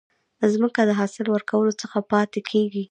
ځمکه د حاصل ورکولو څخه پاتي کیږي.